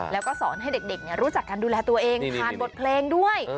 แล้วก็สอนให้เด็กรู้จักการดูแลตัวเองผ่านบทเพลงด้วย